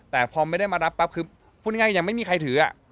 แต่พอไม่ได้มารับปั๊บคือพูดง่ายยังไม่มีใครถือ